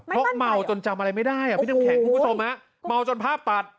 เพราะเมาจนจำอะไรไม่ได้อ่ะพี่น้ำแข็งคุณผู้ชมฮะเมาจนภาพปัด